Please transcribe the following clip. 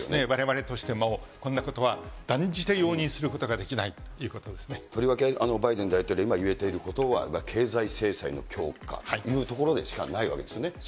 われわれとしてもこんなことは断じて容認することができないといとりわけ、バイデン大統領、言えていることは、経済制裁の強化というところでしかないわけですね。